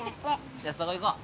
じゃあそこ行こう。